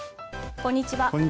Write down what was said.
こんにちは。